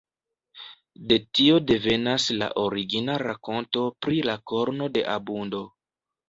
De tio devenas la origina rakonto pri la korno de abundo.